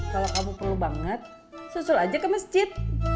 kalau kamu perlu banget susul aja ke masjid